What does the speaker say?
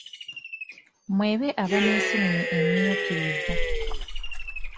Mwebe eba nseenene emmyukirivu.